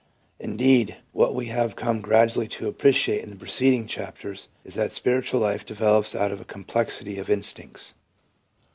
Indeed, what we have come gradually to appreciate in the preceding chapters is that the spiritual life develops out of a complexity of instincts.